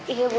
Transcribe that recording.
eh keren tuh